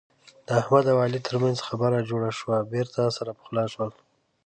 د احمد او علي ترمنځ خبره جوړه شوه. بېرته سره پخلا شول.